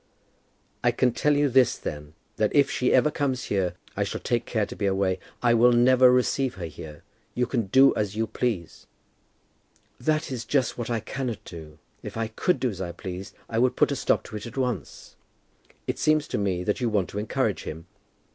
"I can tell you this, then, that if ever she comes here, I shall take care to be away. I will never receive her here. You can do as you please." "That is just what I cannot do. If I could do as I pleased, I would put a stop to it at once." "It seems to me that you want to encourage him.